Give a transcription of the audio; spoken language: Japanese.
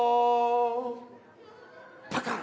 パカン！